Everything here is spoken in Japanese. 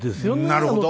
なるほど。